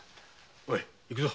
おい行くぞ。